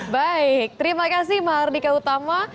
baik terima kasih mardika utama